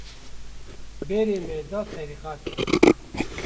Berê me da terîqetê